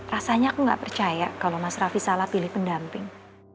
rasanya aku nggak percaya kalau mas raffi salah pilih pendamping